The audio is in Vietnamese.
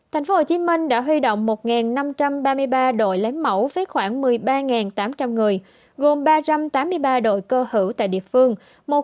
tp hcm đã huy động một năm trăm ba mươi ba đội lấy mẫu với khoảng một mươi ba tám trăm linh người gồm ba trăm tám mươi ba đội cơ hữu tại địa phương